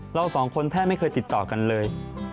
เราสองคนแทบไม่เคยติดต่อกันเลย